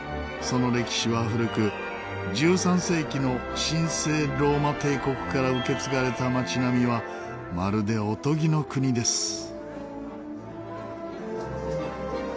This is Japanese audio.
その歴史は古く１３世紀の神聖ローマ帝国から受け継がれた街並みはまるでおとぎの国です。